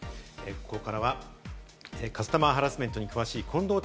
ここからはカスタマーハラスメントに詳しい近藤敬